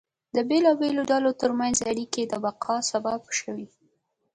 د بېلابېلو ډلو ترمنځ اړیکې د بقا سبب شوې.